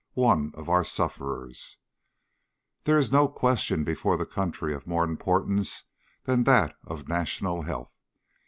ONE OF OUR SUFFERERS There is no question before the country of more importance than that of National Health.